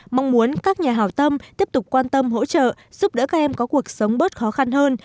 mong muốn các nhà hào tâm tiếp tục quan tâm hỗ trợ giúp đỡ các em có cuộc sống bớt khó khăn hơn